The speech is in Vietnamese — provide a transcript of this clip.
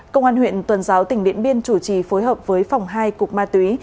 công an huyện tuần giáo tỉnh điện biên chủ trì phối hợp với phòng hai cục ma túy